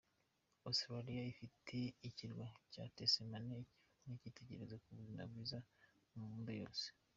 Australia ifite ikirwa cya Tasmania gifatwa nk’ikitegerezo ku buzima bwiza mu mibumbe yose.